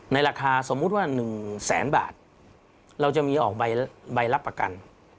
ราคาสมมุติว่า๑แสนบาทเราจะมีออกใบรับประกัน